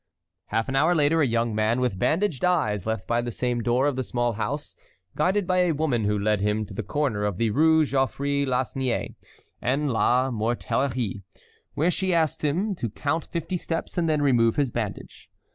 Half an hour later a young man with bandaged eyes left by the same door of the small house, guided by a woman who led him to the corner of the Rue Geoffroy Lasnier and La Mortellerie. There she asked him to count fifty steps and then remove his bandage.